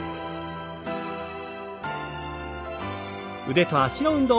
腕と脚の運動。